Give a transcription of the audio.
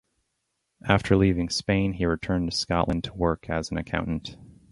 After leaving Spain he returned to Scotland to work as an accountant.